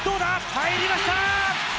入りました！